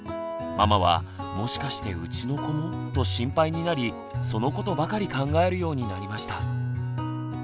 ママは「もしかしてうちの子も」と心配になりそのことばかり考えるようになりました。